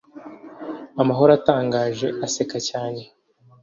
amahoro atangaje, aseka cyane,